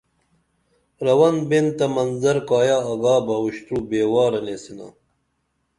رون بین تہ منظر کایہ آگا بہ اُوشتُرُو بے وارہ نیسِنا